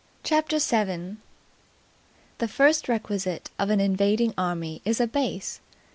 CHAPTER 7. The first requisite of an invading army is a base.